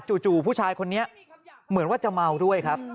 จู่ผู้ชายคนนี้เหมือนว่าจะเมาด้วยครับ